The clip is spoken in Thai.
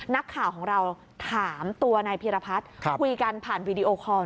นักข่าวของเราถามตัวนายพีรพัฒน์คุยกันผ่านวีดีโอคอล